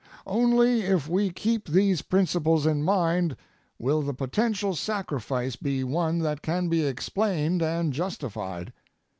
Only if we keep these principles in mind will the potential sacrifice be one that can be explained and justified.